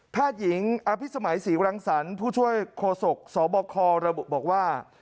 แพทย์หญิงอภิสมัยศรีกลางสรรค์ผู้ช่วยโครสกสบคบอกว่า